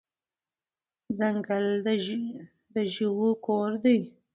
ځنګل د ژوو کور دی.